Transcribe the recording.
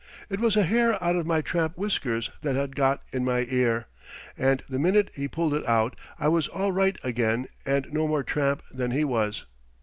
It was a hair out of my tramp whiskers that had got in my ear, and the minute he pulled it out I was all right again and no more tramp than he was.